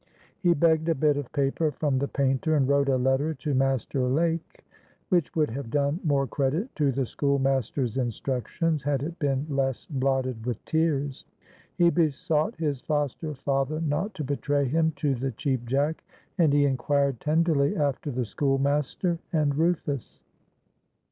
He begged a bit of paper from the painter, and wrote a letter to Master Lake, which would have done more credit to the schoolmaster's instructions had it been less blotted with tears. He besought his foster father not to betray him to the Cheap Jack, and he inquired tenderly after the schoolmaster and Rufus.